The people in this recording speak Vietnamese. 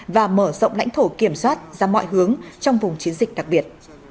và mở rộng lãnh thổ kiểm soát ra mọi hướng trong vùng chiến dịch đặc biệt